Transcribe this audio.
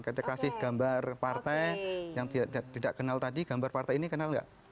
kita kasih gambar partai yang tidak kenal tadi gambar partai ini kenal nggak